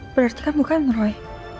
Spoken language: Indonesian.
berarti kan bukan roy